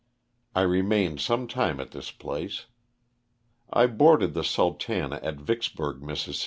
I remained some time at this place. I boarded the "Sultana" at Vicksburg, Miss.